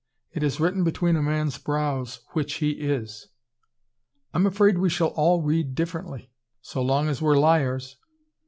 It is written between a man's brows, which he is." "I'm afraid we shall all read differently." "So long as we're liars."